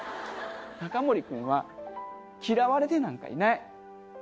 ナカモリ君は嫌われてなんかいない。